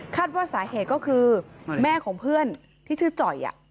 ว่าสาเหตุก็คือแม่ของเพื่อนที่ชื่อจ่อย